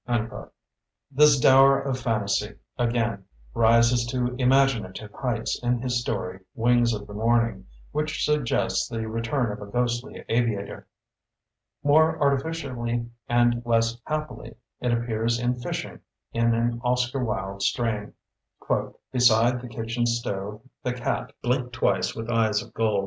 56 THE BOOKMAN This dower of fantasy, again, rises to imaginative heights in his story, ''Wings of the Morning", which sug gests the return of a ghostly aviator. More artificially and less happily it ap pears in 'Tishing", in an Oscar Wilde strain : Beside the kitchen stove the cat Blinked twice with eyes of gold.